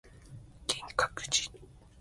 バス停には誰もいない。さっきと変わらなかった。